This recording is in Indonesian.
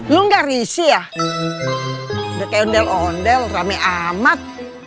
lu gak risih ya udah ke ondel ondel rame amat